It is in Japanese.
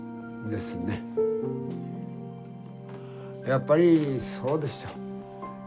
やっぱりそうでしょ。